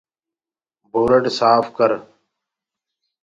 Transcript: دورڊ سآڦ ڪر۔